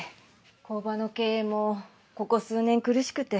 工場の経営もここ数年苦しくて。